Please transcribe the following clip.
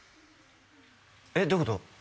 えっ？どういうこと？